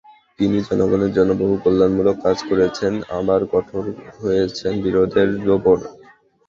তিনি জনগণের জন্য বহু কল্যাণমূলক কাজ করেছেন, আবার কঠোর হয়েছেন বিরোধীদের ওপর।